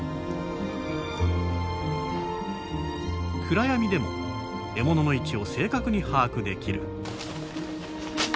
暗闇でも獲物の位置を正確に把握できる。